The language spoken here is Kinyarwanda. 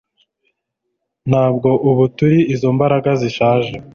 Ntabwo ubu turi izo mbaraga zishaje